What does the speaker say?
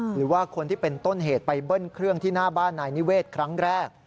หรือว่าคนที่เป็นต้นเหตุไปเบิ้ลเครื่องที่หน้าบ้านนายนิเวศครั้งแรก